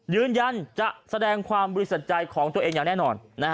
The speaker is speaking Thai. ยืนยันจะแสดงความบริสุทธิ์ใจของตัวเองอย่างแน่นอน